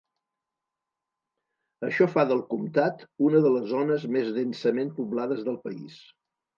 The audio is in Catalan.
Això fa del comtat una de les zones més densament poblades del país.